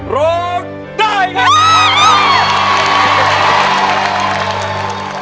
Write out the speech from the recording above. ร้องได้